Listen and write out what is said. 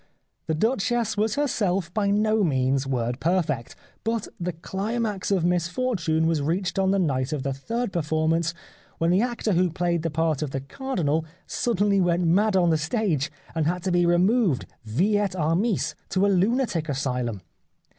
The Duchess was her self by no means word perfect. But the climax of misfortune was reached on the night of the third performance when the actor who played the part of the Cardinal suddenly went mad on the stage and had to be removed vi et armis to a lunatic asylum.